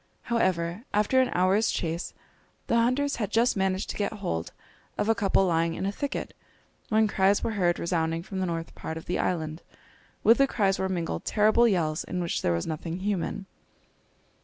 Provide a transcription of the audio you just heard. However, after an hour's chase, the hunters had just managed to get hold of a couple lying in a thicket, when cries were heard resounding from the north part of the island. With the cries were mingled terrible yells, in which there was nothing human.